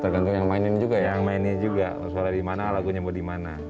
tergantung yang mainin juga ya yang mainin juga suara dimana lagunya mau dimana